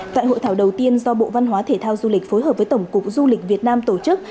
tại hội thảo đầu tiên do bộ văn hóa thể thao du lịch phối hợp với tổng cục du lịch việt nam tổ chức